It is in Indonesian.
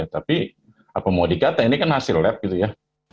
tapi apa mau dikata ini kan hasil lab gitu ya